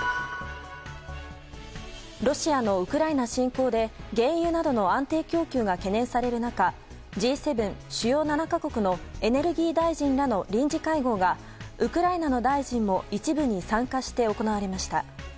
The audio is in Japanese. ロシアのウクライナ侵攻で原油などの安定供給が懸念される中Ｇ７・主要７か国のエネルギー大臣らの臨時会合がウクライナの大臣も一部に参加して行われました。